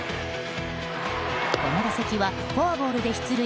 この打席はフォアボールで出塁。